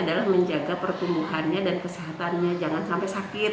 adalah menjaga pertumbuhannya dan kesehatannya jangan sampai sakit